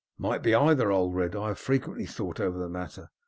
"It might be either, Ulred. I have frequently thought over the matter.